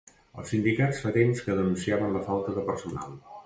Els sindicats fa temps que denunciaven la falta de personal